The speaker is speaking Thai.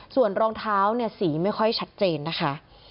ส่วนรองเท้าเนี่ยสีไม่ค่อยชัดเจนนะคะ